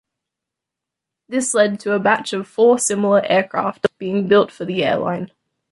This led to a batch of four similar aircraft being built for the airline.